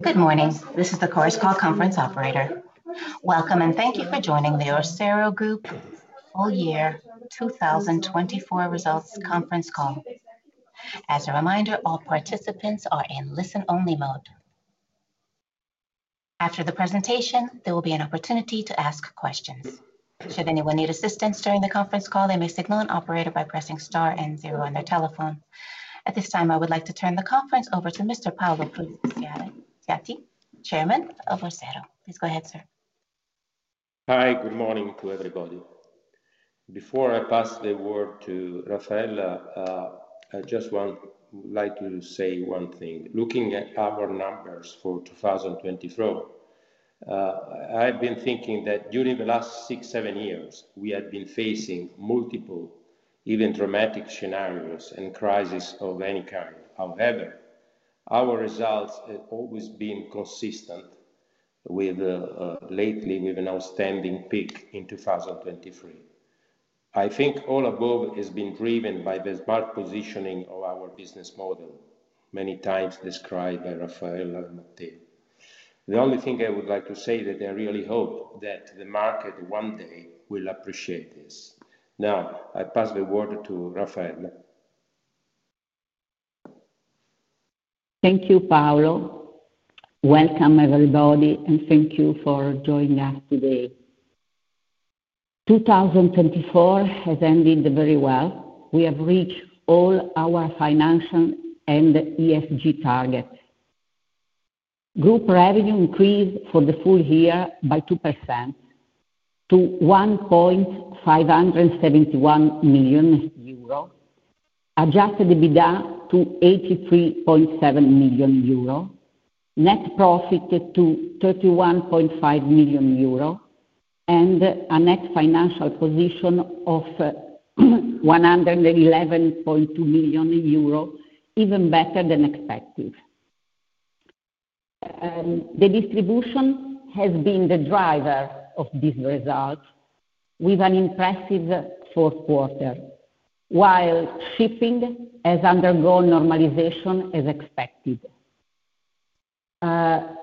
Good morning. This is the Chorus Call conference operator. Welcome, and thank you for joining the Orsero Group Full Year 2024 Results Conference Call. As a reminder, all participants are in listen-only mode. After the presentation, there will be an opportunity to ask questions. Should anyone need assistance during the conference call, they may signal an operator by pressing star and zero on their telephone. At this time, I would like to turn the conference over to Mr. Paolo Prudenziati, Chairman of Orsero. Please go ahead, sir. Hi, good morning to everybody. Before I pass the word to Raffaella, I just want to say one thing. Looking at our numbers for 2024, I've been thinking that during the last six, seven years, we have been facing multiple, even dramatic scenarios and crises of any kind. However, our results have always been consistent lately with an outstanding peak in 2023. I think all above has been driven by the smart positioning of our business model, many times described by Raffaella and Matteo. The only thing I would like to say is that I really hope that the market one day will appreciate this. Now, I pass the word to Raffaella. Thank you, Paolo. Welcome, everybody, and thank you for joining us today. 2024 has ended very well. We have reached all our financial and ESG targets. Group revenue increased for the full year by 2% to 1.571 million euro, adjusted EBITDA to 83.7 million euro, net profit to 31.5 million euro, and a net financial position of 111.2 million euro, even better than expected. The distribution has been the driver of these results, with an impressive fourth quarter, while shipping has undergone normalization as expected.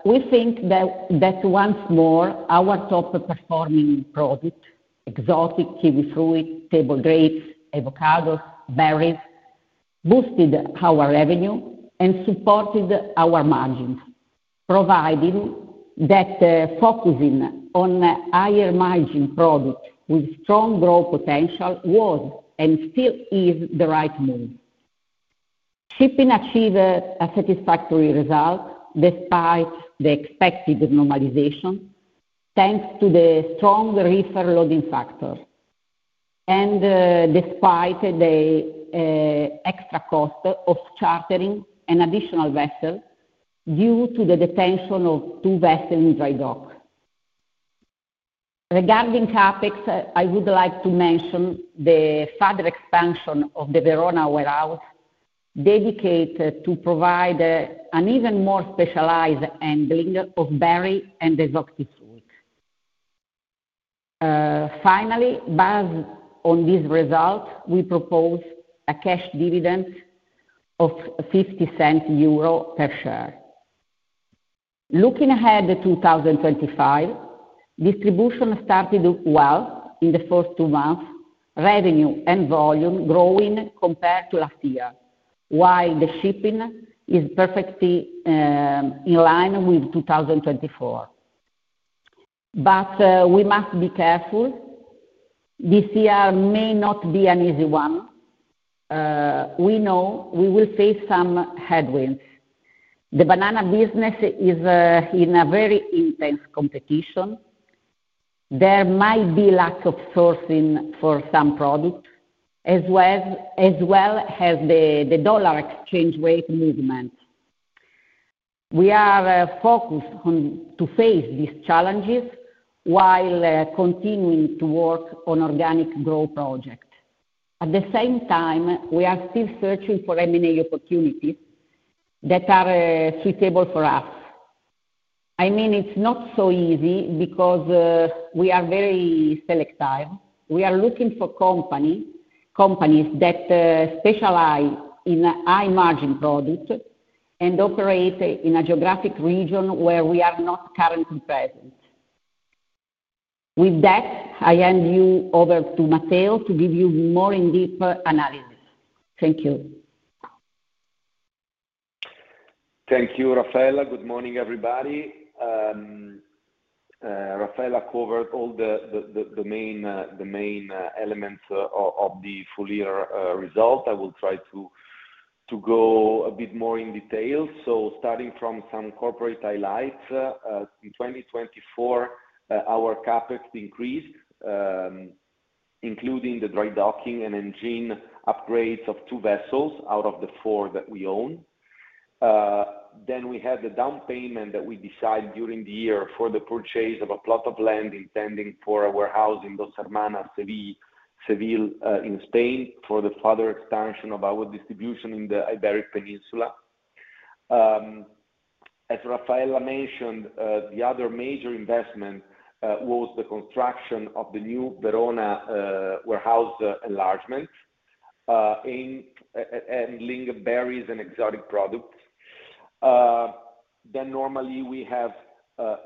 We think that once more, our top-performing products, exotic kiwifruit, table grapes, avocados, and berries, boosted our revenue and supported our margins, providing that focusing on higher-margin products with strong growth potential was and still is the right move. Shipping achieved a satisfactory result despite the expected normalization, thanks to the strong reefer loading factor, and despite the extra cost of chartering an additional vessel due to the detention of two vessels in dry dock. Regarding CapEx, I would like to mention the further expansion of the Verona warehouse, dedicated to provide an even more specialized handling of berry and exotic fruit. Finally, based on these results, we propose a cash dividend of 0.50 per share. Looking ahead to 2025, distribution started well in the first two months, revenue and volume growing compared to last year, while the shipping is perfectly in line with 2024. We must be careful. This year may not be an easy one. We know we will face some headwinds. The banana business is in very intense competition. There might be lack of sourcing for some products, as well as the dollar exchange rate movement. We are focused on facing these challenges while continuing to work on organic growth projects. At the same time, we are still searching for M&A opportunities that are suitable for us. I mean, it's not so easy because we are very selective. We are looking for companies that specialize in high-margin products and operate in a geographic region where we are not currently present. With that, I hand you over to Matteo to give you more in-depth analysis. Thank you. Thank you, Raffaella. Good morning, everybody. Raffaella covered all the main elements of the full-year result. I will try to go a bit more in detail. Starting from some corporate highlights, in 2024, our CapEx increased, including the dry docking and engine upgrades of two vessels out of the four that we own. We had the down payment that we decided during the year for the purchase of a plot of land intended for a warehouse in Dos Hermanas, Seville, in Spain, for the further expansion of our distribution in the Iberian Peninsula. As Raffaella mentioned, the other major investment was the construction of the new Verona warehouse enlargement, handling berries and exotic products. Normally, we have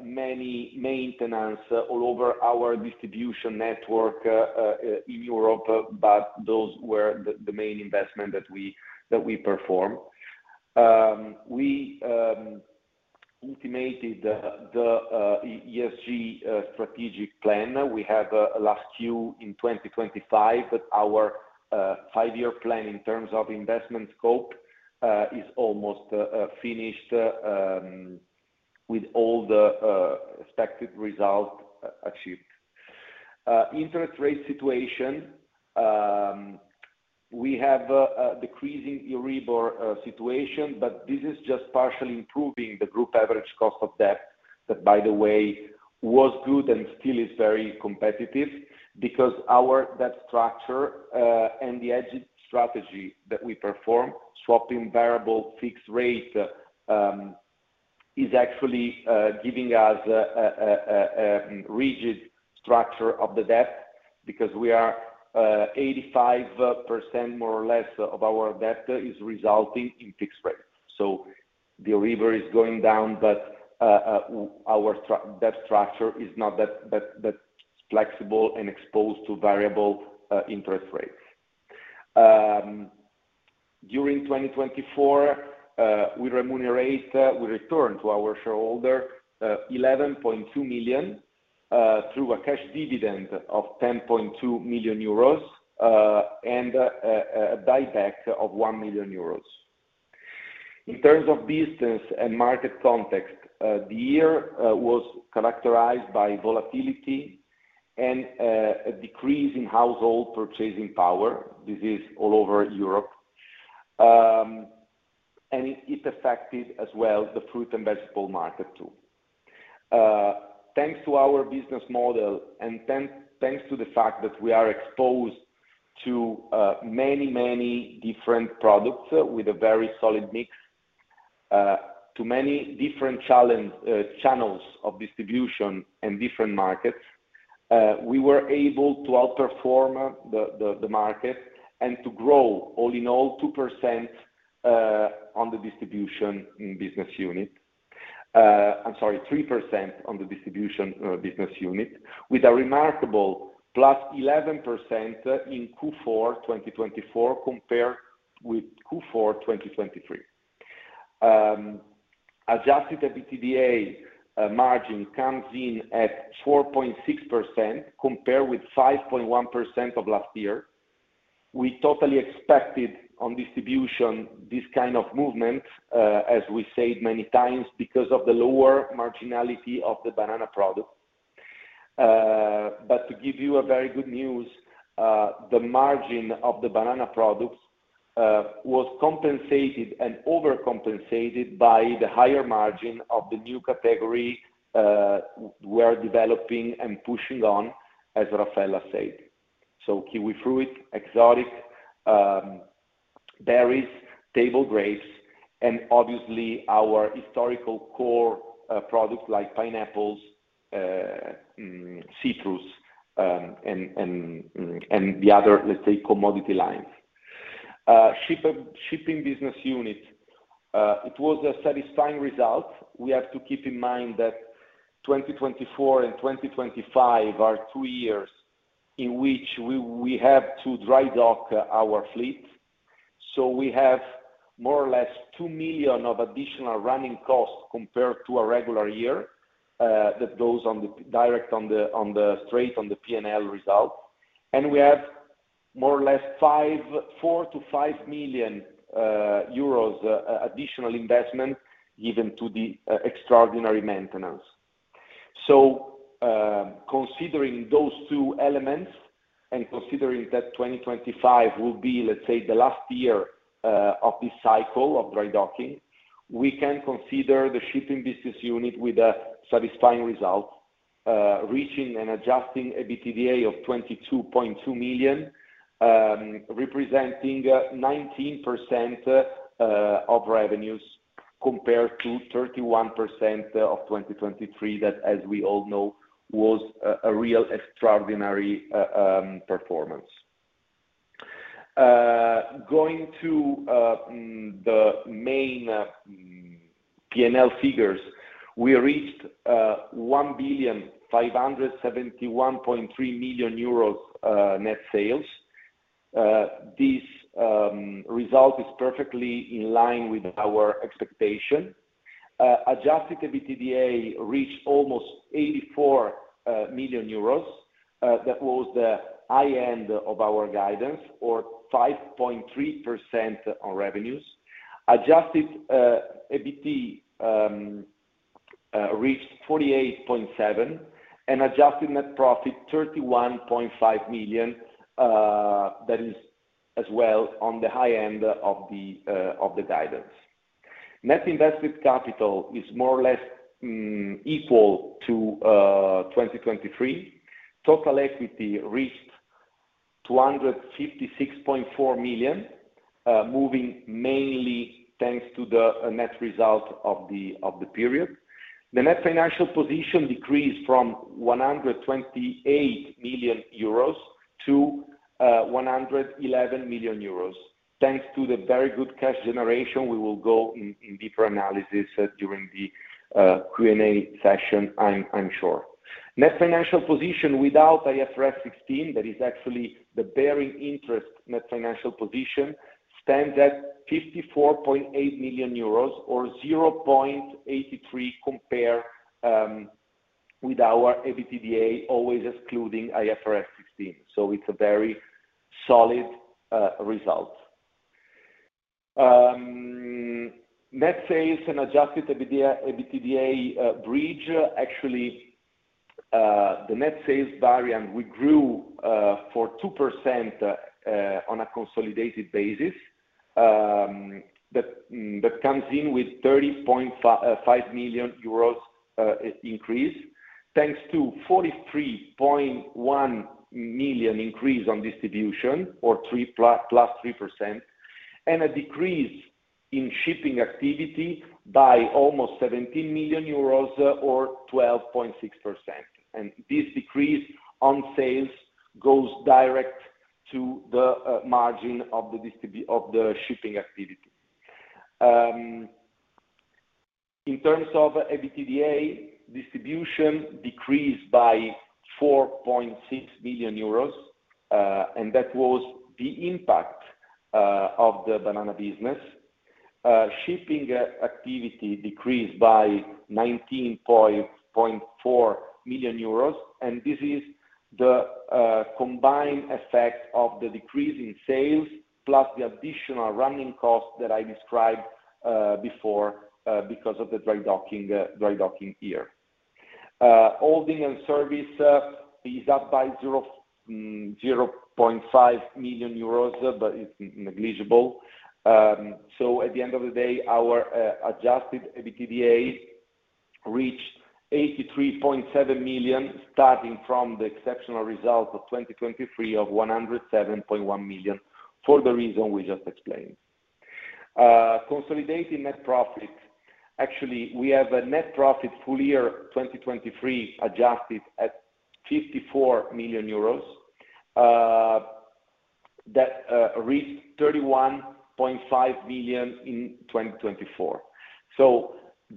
many maintenances all over our distribution network in Europe, but those were the main investments that we performed. We ultimated the ESG strategic plan. We have the last Q in 2025, but our five-year plan in terms of investment scope is almost finished with all the expected results achieved. Interest rate situation, we have a decreasing EURIBOR situation, but this is just partially improving the group average cost of debt that, by the way, was good and still is very competitive because our debt structure and the exit strategy that we performed, swapping variable fixed rate, is actually giving us a rigid structure of the debt because we are 85%, more or less, of our debt is resulting in fixed rates. The EURIBOR is going down, but our debt structure is not that flexible and exposed to variable interest rates. During 2024, we remunerate, we return to our shareholder, 11.2 million through a cash dividend of 10.2 million euros and a buyback of 1 million euros. In terms of business and market context, the year was characterized by volatility and a decrease in household purchasing power. This is all over Europe, and it affected as well the fruit and vegetable market too. Thanks to our business model and thanks to the fact that we are exposed to many, many different products with a very solid mix, to many different channels of distribution and different markets, we were able to outperform the market and to grow, all in all, 2% on the distribution business unit. I'm sorry, 3% on the distribution business unit, with a remarkable plus 11% in Q4 2024 compared with Q4 2023. Adjusted EBITDA margin comes in at 4.6% compared with 5.1% of last year. We totally expected on distribution this kind of movement, as we said many times, because of the lower marginality of the banana products. To give you very good news, the margin of the banana products was compensated and overcompensated by the higher margin of the new category we are developing and pushing on, as Raffaella said. Kiwifruit, exotic berries, table grapes, and obviously our historical core products like pineapples, citrus, and the other, let's say, commodity lines. Shipping business unit, it was a satisfying result. We have to keep in mind that 2024 and 2025 are two years in which we have to dry dock our fleet. We have more or less 2 million of additional running cost compared to a regular year that goes direct on the straight on the P&L result. We have more or less 4 million-5 million euros additional investment given to the extraordinary maintenance. Considering those two elements and considering that 2025 will be, let's say, the last year of this cycle of dry docking, we can consider the shipping business unit with a satisfying result, reaching an adjusted EBITDA of EUR 22.2 million, representing 19% of revenues compared to 31% of 2023 that, as we all know, was a real extraordinary performance. Going to the main P&L figures, we reached 1,571.3 million euros net sales. This result is perfectly in line with our expectation. Adjusted EBITDA reached almost 84 million euros. That was the high end of our guidance, or 5.3% on revenues. Adjusted EBIT reached 48.7 million, and adjusted net profit 31.5 million. That is as well on the high end of the guidance. Net invested capital is more or less equal to 2023. Total equity reached 256.4 million, moving mainly thanks to the net result of the period. The net financial position decreased from 128 million euros to 111 million euros, thanks to the very good cash generation. We will go in deeper analysis during the Q&A session, I'm sure. Net financial position without IFRS 16, that is actually the bearing interest net financial position, stands at 54.8 million euros, or 0.83 compared with our EBITDA, always excluding IFRS 16. It is a very solid result. Net sales and adjusted EBITDA bridge, actually, the net sales variant, we grew for 2% on a consolidated basis that comes in with 30.5 million euros increase, thanks to 43.1 million increase on distribution, or plus 3%, and a decrease in shipping activity by almost 17 million euros, or 12.6%. This decrease on sales goes direct to the margin of the shipping activity. In terms of EBITDA, distribution decreased by 4.6 million euros, and that was the impact of the banana business. Shipping activity decreased by 19.4 million euros, and this is the combined effect of the decrease in sales plus the additional running cost that I described before because of the dry docking year. Holding and service is up by 0.5 million euros, but it's negligible. At the end of the day, our adjusted EBITDA reached 83.7 million, starting from the exceptional result of 2023 of 107.1 million for the reason we just explained. Consolidating net profit, actually, we have a net profit full year 2023 adjusted at 54 million euros that reached 31.5 million in 2024.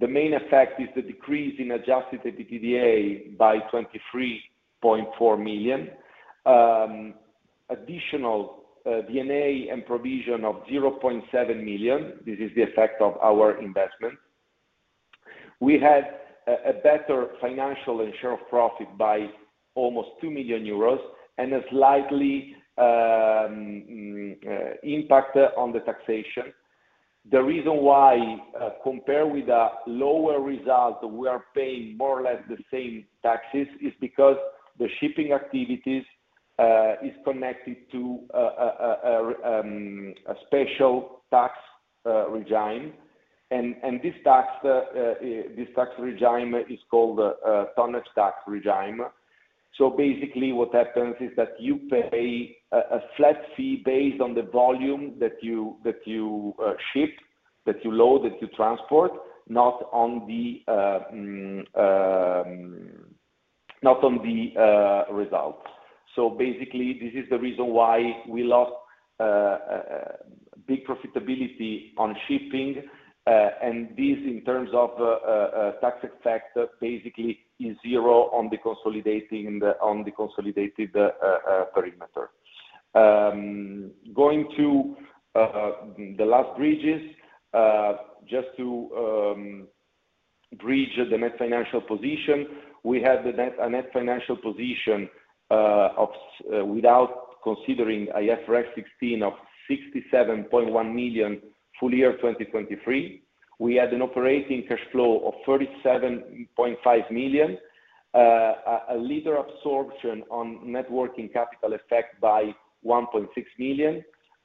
The main effect is the decrease in adjusted EBITDA by 23.4 million. Additional D&A and provision of 0.7 million, this is the effect of our investment. We had a better financial and share of profit by almost 2 million euros and a slightly impact on the taxation. The reason why, compared with a lower result, we are paying more or less the same taxes is because the shipping activities are connected to a special tax regime. This tax regime is called a tonnage tax regime. Basically, what happens is that you pay a flat fee based on the volume that you ship, that you load, that you transport, not on the results. Basically, this is the reason why we lost big profitability on shipping. This, in terms of tax effect, basically is zero on the consolidated perimeter. Going to the last bridges, just to bridge the net financial position, we had a net financial position without considering IFRS 16 of 67.1 million full year 2023. We had an operating cash flow of 37.5 million, a little absorption on net working capital effect by 1.6 million,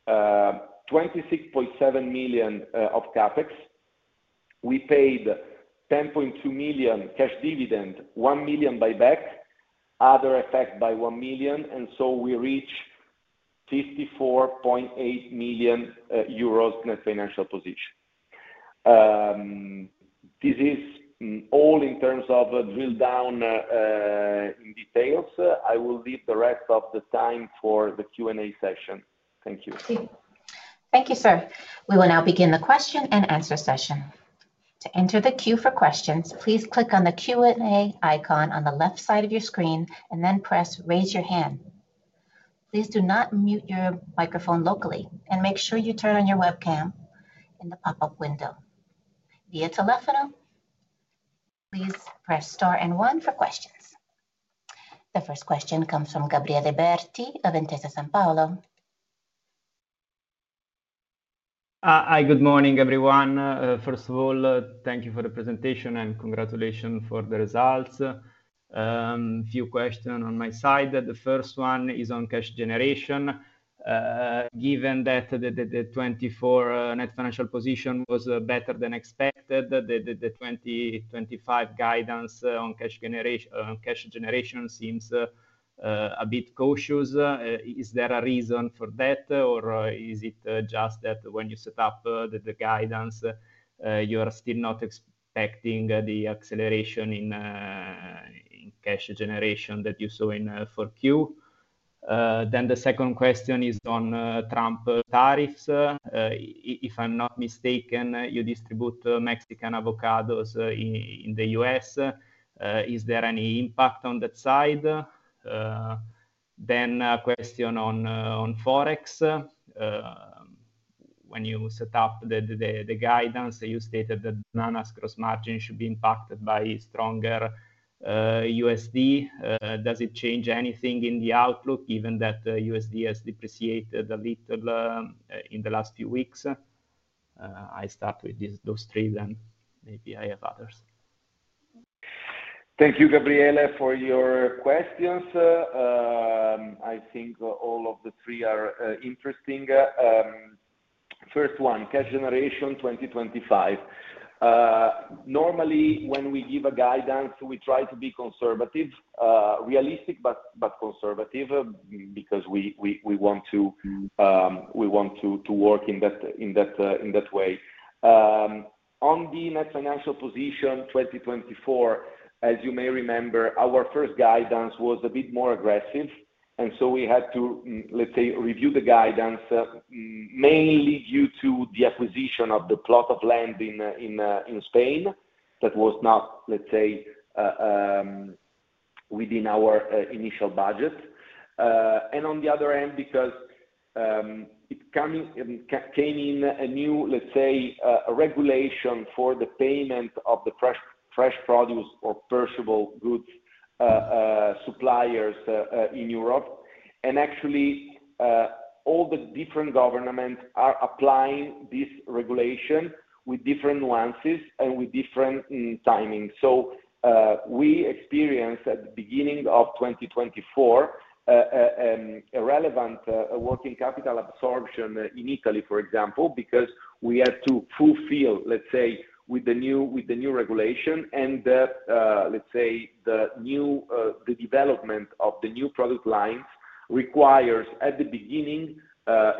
26.7 million of CapEx. We paid 10.2 million cash dividend, 1 million buyback, other effect by 1 million. We reached 54.8 million euros net financial position. This is all in terms of drill down in details. I will leave the rest of the time for the Q&A session. Thank you. Thank you, sir. We will now begin the question and answer session. To enter the queue for questions, please click on the Q&A icon on the left side of your screen and then press Raise Your Hand. Please do not mute your microphone locally and make sure you turn on your webcam in the pop-up window. Via telefono, please press Star and One for questions. The first question comes from Gabriele Berti of Intesa Sanpaolo. Hi, good morning, everyone. First of all, thank you for the presentation and congratulations for the results. A few questions on my side. The first one is on cash generation. Given that the 2024 net financial position was better than expected, the 2025 guidance on cash generation seems a bit cautious. Is there a reason for that, or is it just that when you set up the guidance, you are still not expecting the acceleration in cash generation that you saw in 4Q? The second question is on Trump tariffs. If I'm not mistaken, you distribute Mexican avocados in the U.S. Is there any impact on that side? A question on Forex. When you set up the guidance, you stated that bananas' gross margin should be impacted by stronger USD. Does it change anything in the outlook, given that USD has depreciated a little in the last few weeks? I start with those three, then maybe I have others. Thank you, Gabriele, for your questions. I think all of the three are interesting. First one, cash generation 2025. Normally, when we give a guidance, we try to be conservative, realistic, but conservative because we want to work in that way. On the net financial position 2024, as you may remember, our first guidance was a bit more aggressive. We had to, let's say, review the guidance mainly due to the acquisition of the plot of land in Spain that was not, let's say, within our initial budget. On the other hand, it came in a new, let's say, regulation for the payment of the fresh produce or perishable goods suppliers in Europe. Actually, all the different governments are applying this regulation with different nuances and with different timing. We experienced at the beginning of 2024 a relevant working capital absorption in Italy, for example, because we had to fulfill, let's say, with the new regulation. The development of the new product lines requires at the beginning,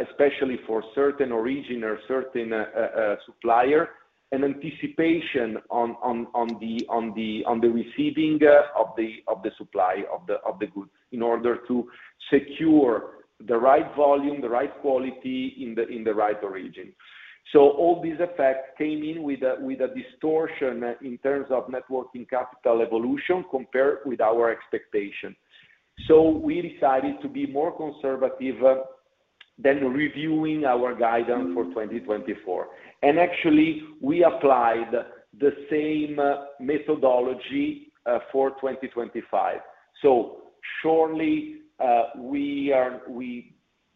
especially for certain origin or certain supplier, an anticipation on the receiving of the supply of the goods in order to secure the right volume, the right quality in the right origin. All these effects came in with a distortion in terms of networking capital evolution compared with our expectation. We decided to be more conservative than reviewing our guidance for 2024. Actually, we applied the same methodology for 2025. Surely, we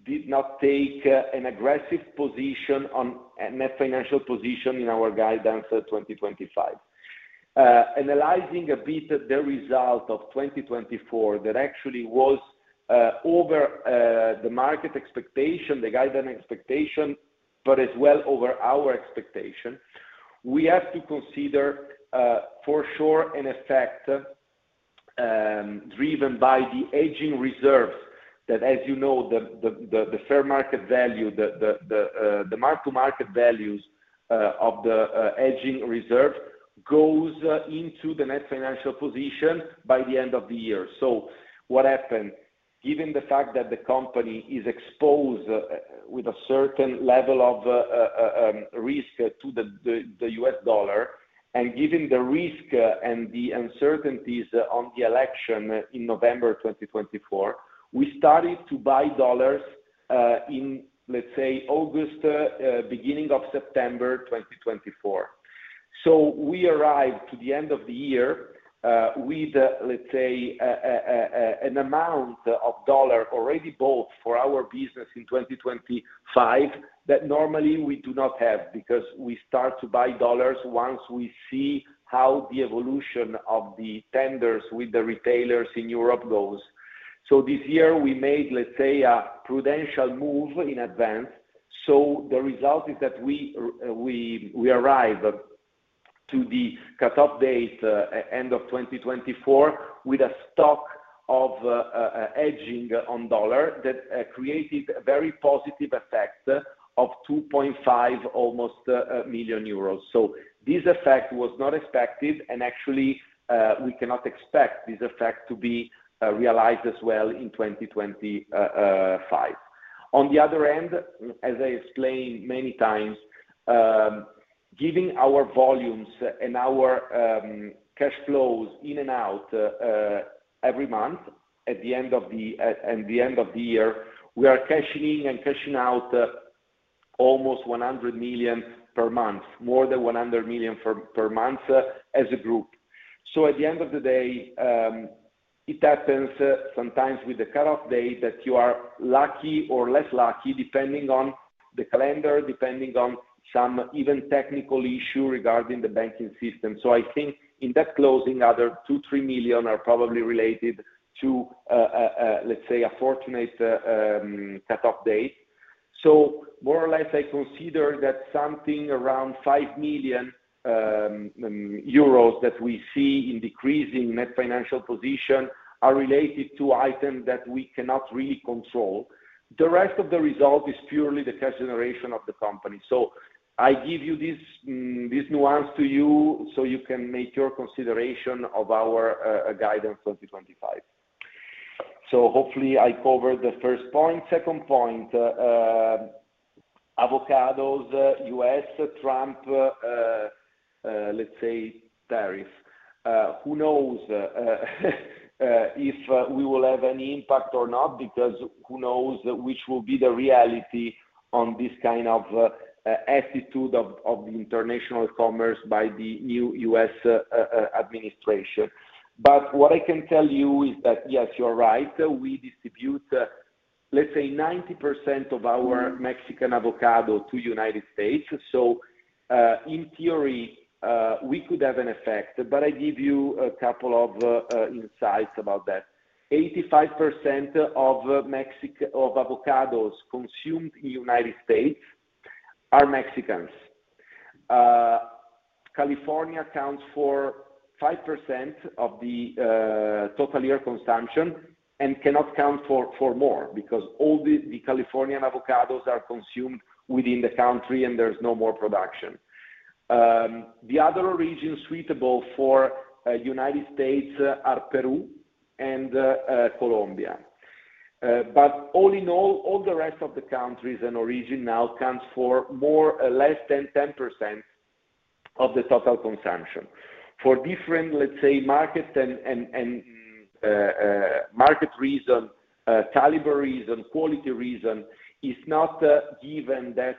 did not take an aggressive position on net financial position in our guidance for 2025. Analyzing a bit the result of 2024 that actually was over the market expectation, the guidance expectation, but as well over our expectation, we have to consider for sure an effect driven by the hedging reserves that, as you know, the fair market value, the mark-to-market values of the hedging reserve goes into the net financial position by the end of the year. What happened? Given the fact that the company is exposed with a certain level of risk to the US dollar and given the risk and the uncertainties on the election in November 2024, we started to buy dollars in, let's say, August, beginning of September 2024. We arrived to the end of the year with, let's say, an amount of dollar already bought for our business in 2025 that normally we do not have because we start to buy dollars once we see how the evolution of the tenders with the retailers in Europe goes. This year, we made, let's say, a prudential move in advance. The result is that we arrived to the cut-off date, end of 2024, with a stock of hedging on dollar that created a very positive effect of 2.5 million euros. This effect was not expected, and actually, we cannot expect this effect to be realized as well in 2025. On the other end, as I explained many times, given our volumes and our cash flows in and out every month at the end of the year, we are cashing in and cashing out almost 100 million per month, more than 100 million per month as a group. At the end of the day, it happens sometimes with the cut-off date that you are lucky or less lucky, depending on the calendar, depending on some even technical issue regarding the banking system. I think in that closing, another 2 million-3 million are probably related to, let's say, a fortunate cut-off date. More or less, I consider that something around 5 million euros that we see in decreasing net financial position are related to items that we cannot really control. The rest of the result is purely the cash generation of the company. I give you this nuance to you so you can make your consideration of our guidance 2025. Hopefully, I covered the first point. Second point, avocados, U.S., Trump, let's say, tariffs. Who knows if we will have any impact or not because who knows which will be the reality on this kind of attitude of the international commerce by the new U.S. administration. What I can tell you is that, yes, you're right. We distribute, let's say, 90% of our Mexican avocado to the United States. In theory, we could have an effect, but I give you a couple of insights about that. 85% of avocados consumed in the United States are Mexicans. California accounts for 5% of the total year consumption and cannot count for more because all the Californian avocados are consumed within the country and there's no more production. The other origins suitable for the U.S. are Peru and Colombia. All in all, all the rest of the countries and origins now account for more or less than 10% of the total consumption. For different, let's say, market reasons, caliber reasons, quality reasons, it's not given that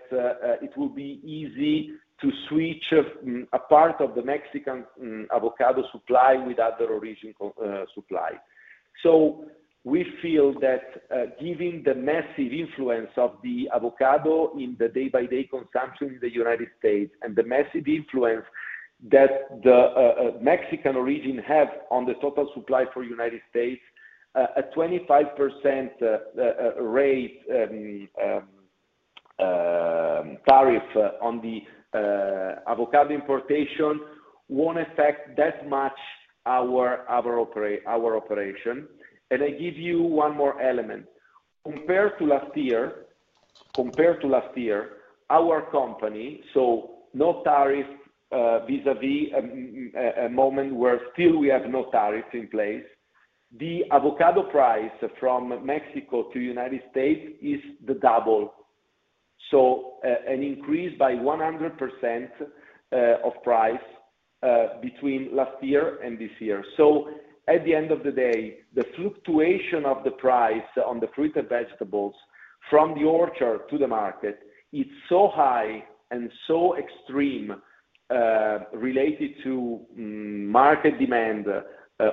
it will be easy to switch a part of the Mexican avocado supply with other origin supply. We feel that given the massive influence of the avocado in the day-by-day consumption in the U.S. and the massive influence that the Mexican origin has on the total supply for the U.S., a 25% rate tariff on the avocado importation won't affect that much our operation. I give you one more element. Compared to last year, our company, so no tariff vis-à-vis a moment where still we have no tariff in place, the avocado price from Mexico to the United States is the double. An increase by 100% of price between last year and this year. At the end of the day, the fluctuation of the price on the fruit and vegetables from the orchard to the market, it's so high and so extreme related to market demand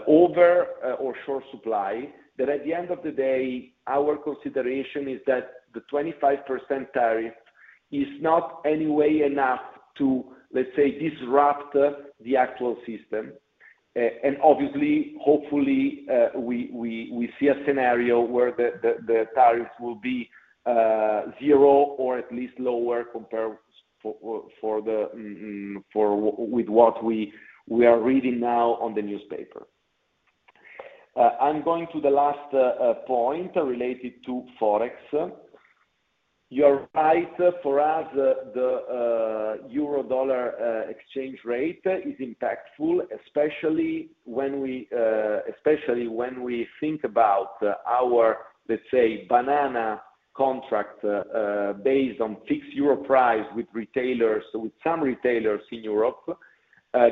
over or short supply that at the end of the day, our consideration is that the 25% tariff is not any way enough to, let's say, disrupt the actual system. Obviously, hopefully, we see a scenario where the tariffs will be zero or at least lower compared with what we are reading now on the newspaper. I'm going to the last point related to Forex. You are right. For us, the EUR/USD exchange rate is impactful, especially when we think about our, let's say, banana contract based on fixed euro price with retailers, with some retailers in Europe,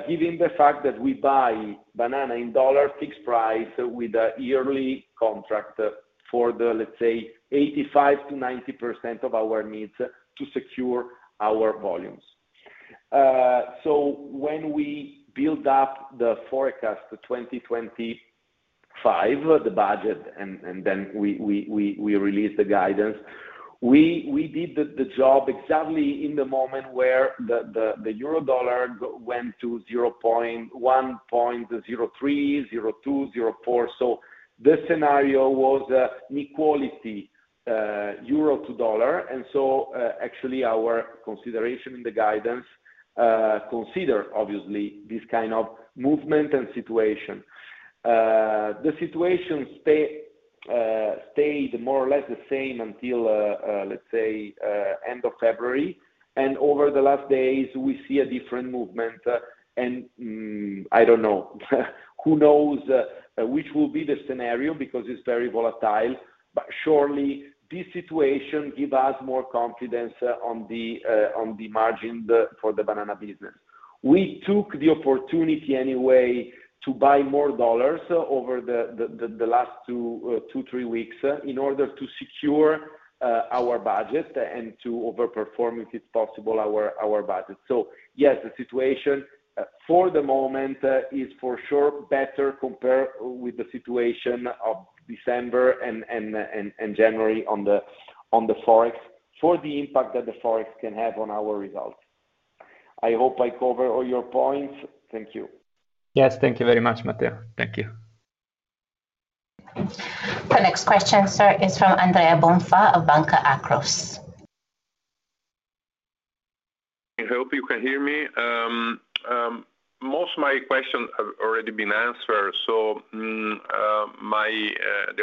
given the fact that we buy banana in dollar fixed price with a yearly contract for the, let's say, 85%-90% of our needs to secure our volumes. When we built up the Forex 2025, the budget, and then we released the guidance, we did the job exactly in the moment where the EUR/USD went to 1.03, 1.02, 1.04. The scenario was an equality euro to dollar. Actually, our consideration in the guidance considered, obviously, this kind of movement and situation. The situation stayed more or less the same until, let's say, the end of February. Over the last days, we see a different movement. I don't know. Who knows which will be the scenario because it's very volatile. This situation gives us more confidence on the margin for the banana business. We took the opportunity anyway to buy more dollars over the last two-three weeks in order to secure our budget and to overperform, if it's possible, our budget. Yes, the situation for the moment is for sure better compared with the situation of December and January on the Forex for the impact that the Forex can have on our results. I hope I covered all your points. Thank you. Yes, thank you very much, Matteo. Thank you. The next question, sir, is from Andrea Bonfà of Banca Akros. I hope you can hear me. Most of my questions have already been answered. The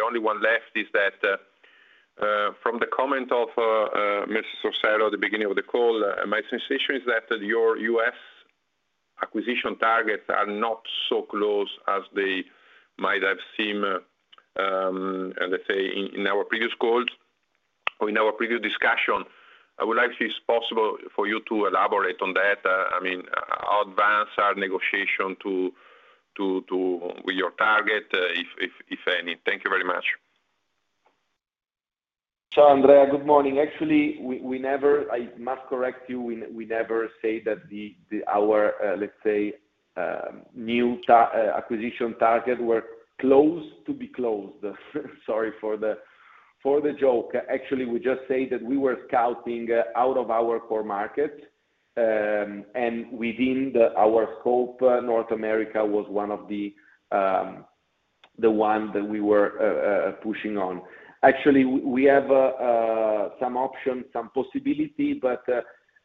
only one left is that from the comment of Mrs. Orsero at the beginning of the call, my sensation is that your US acquisition targets are not so close as they might have seemed, let's say, in our previous calls or in our previous discussion. I would like to see if it's possible for you to elaborate on that, I mean, advance our negotiation with your target, if any. Thank you very much. Andrea, good morning. Actually, we never, I must correct you, we never said that our, let's say, new acquisition target were close to be closed. Sorry for the joke. Actually, we just said that we were scouting out of our core markets. And within our scope, North America was one of the ones that we were pushing on. Actually, we have some options, some possibility, but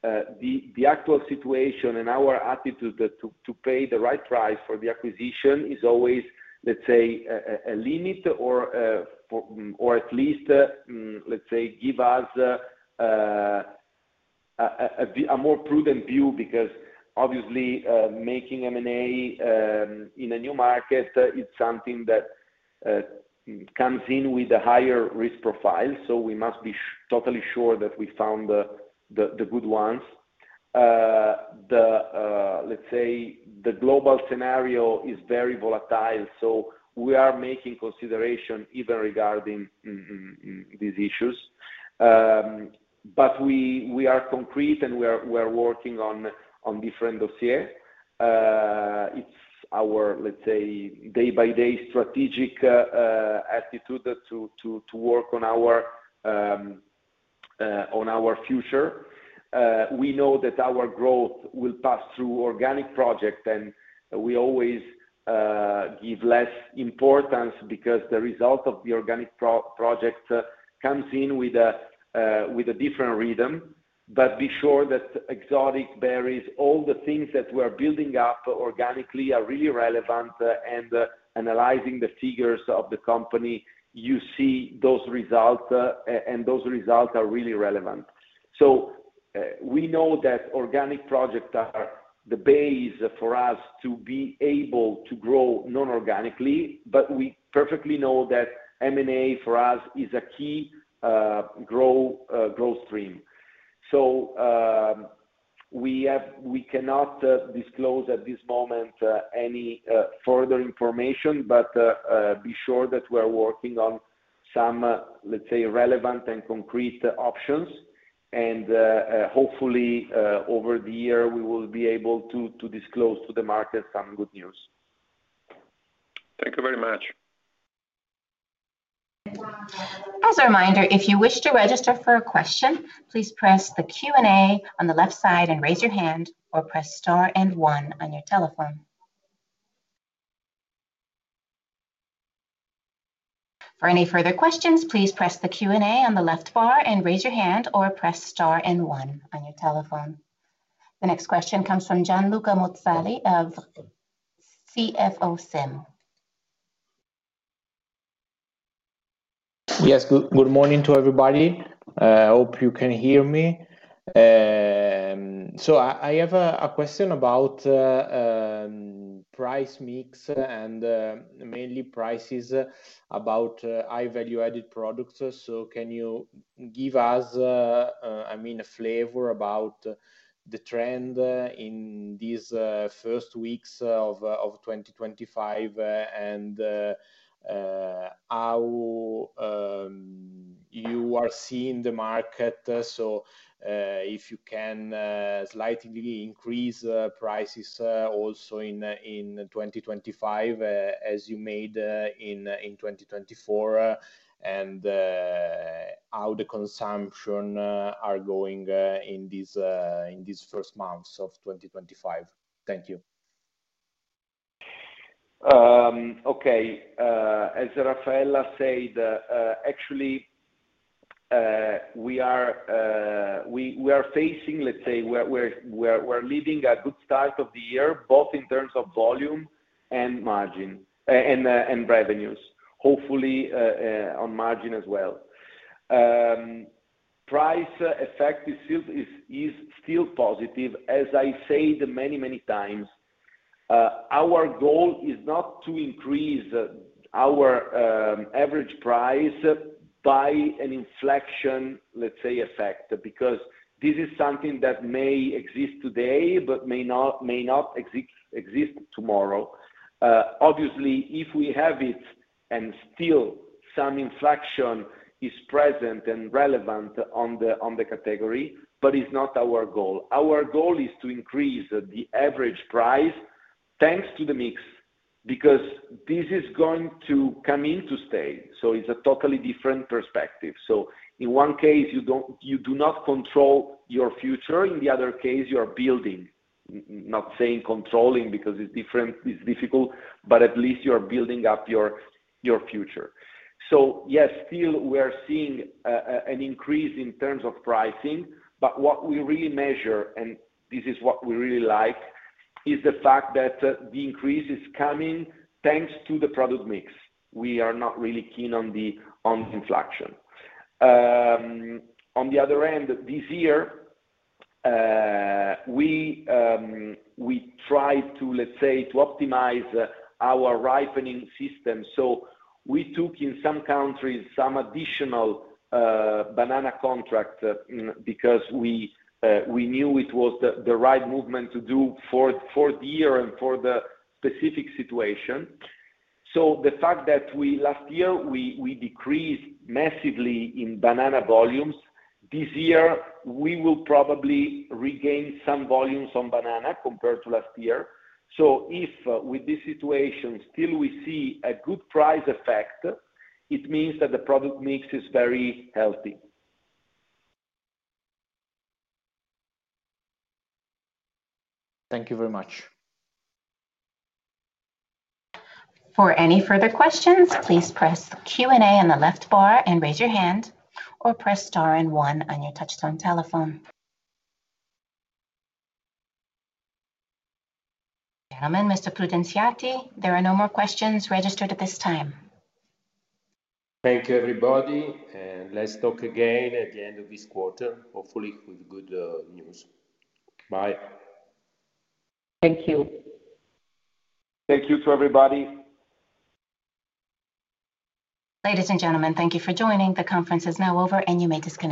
the actual situation and our attitude to pay the right price for the acquisition is always, let's say, a limit or at least, let's say, give us a more prudent view because, obviously, making M&A in a new market, it's something that comes in with a higher risk profile. We must be totally sure that we found the good ones. The, let's say, the global scenario is very volatile. We are making consideration even regarding these issues. We are concrete and we are working on different dossiers. It's our, let's say, day-by-day strategic attitude to work on our future. We know that our growth will pass through organic projects, and we always give less importance because the result of the organic project comes in with a different rhythm. Be sure that exotic berries, all the things that we are building up organically are really relevant. Analyzing the figures of the company, you see those results, and those results are really relevant. We know that organic projects are the base for us to be able to grow non-organically, but we perfectly know that M&A for us is a key growth stream. We cannot disclose at this moment any further information, but be sure that we are working on some, let's say, relevant and concrete options. Hopefully, over the year, we will be able to disclose to the market some good news. Thank you very much. As a reminder, if you wish to register for a question, please press the Q&A on the left side and raise your hand or press Star and 1 on your telephone. For any further questions, please press the Q&A on the left bar and raise your hand or press Star and 1 on your telephone. The next question comes from Gianluca Mozzali of CFO SIM. Yes, good morning to everybody. I hope you can hear me. I have a question about price mix and mainly prices about high-value-added products. Can you give us, I mean, a flavor about the trend in these first weeks of 2025 and how you are seeing the market? If you can slightly increase prices also in 2025 as you made in 2024 and how the consumption is going in these first months of 2025. Thank you. Okay. As Raffaella said, actually, we are facing, let's say, we're leading a good start of the year, both in terms of volume and margin and revenues, hopefully on margin as well. Price effect is still positive. As I said many, many times, our goal is not to increase our average price by an inflection, let's say, effect because this is something that may exist today but may not exist tomorrow. Obviously, if we have it and still some inflection is present and relevant on the category, but it's not our goal. Our goal is to increase the average price thanks to the mix because this is going to come into play. It is a totally different perspective. In one case, you do not control your future. In the other case, you are building, not saying controlling because it's difficult, but at least you are building up your future. Yes, still, we are seeing an increase in terms of pricing. What we really measure, and this is what we really like, is the fact that the increase is coming thanks to the product mix. We are not really keen on the inflection. On the other end, this year, we tried to, let's say, optimize our ripening system. We took in some countries some additional banana contract because we knew it was the right movement to do for the year and for the specific situation. The fact that last year, we decreased massively in banana volumes, this year, we will probably regain some volumes on banana compared to last year. If with this situation, still, we see a good price effect, it means that the product mix is very healthy. Thank you very much. For any further questions, please press Q&A on the left bar and raise your hand or press Star and 1 on your touchstone telephone. Gentlemen, Mr. Prudenziati, there are no more questions registered at this time. Thank you, everybody. Let's talk again at the end of this quarter, hopefully with good news. Bye. Thank you. Thank you to everybody. Ladies and gentlemen, thank you for joining. The conference is now over, and you may disconnect.